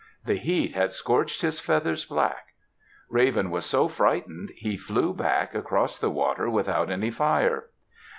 The heat had scorched his feathers black. Raven was so frightened he flew back across the water without any fire.